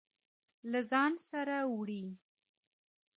له ځان سره وړلې.